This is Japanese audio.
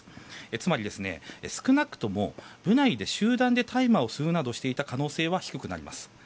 つまり、少なくとも部内で集団で大麻を吸うなどしていた可能性は低くなります。